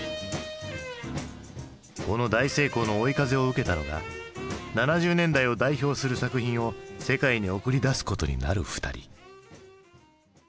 この大成功の追い風を受けたのが７０年代を代表する作品を世界に送り出すことになる２人。